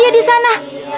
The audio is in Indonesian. dia di sana